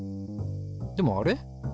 でもあれ？